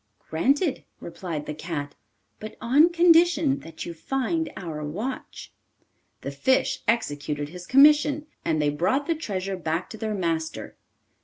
'Granted,' replied the cat; 'but on condition that you find our watch.' The fish executed his commission, and they brought the treasure back to their master.